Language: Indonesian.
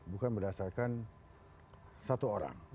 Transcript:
bukan berdasarkan satu orang